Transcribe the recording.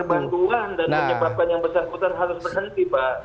dan penyebabkan yang besar putar harus berhenti pak